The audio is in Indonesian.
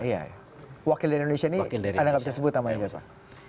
iya iya wakil dari indonesia ini anda nggak bisa sebut nama itu pak